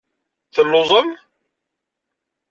Telluẓem?